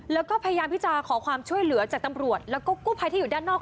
แล้วก็พยายามที่จะขอความช่วยเหลือจากตำรวจแล้วก็กู้ภัยที่อยู่ด้านนอก